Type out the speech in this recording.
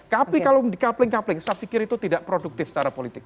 tapi kalau di coupling coupling saya pikir itu tidak produktif secara politik